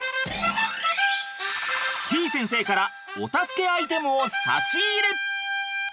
先生からお助けアイテムを差し入れ！